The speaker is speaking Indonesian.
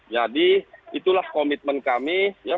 jadi itulah komitmen kami